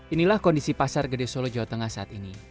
inilah kondisi pasar gede solo jawa tengah saat ini